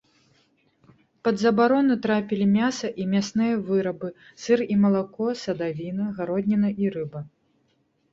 Пад забарону трапілі мяса і мясныя вырабы, сыр і малако, садавіна, гародніна і рыба.